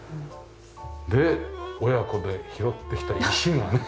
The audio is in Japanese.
で親子で拾ってきた石がね。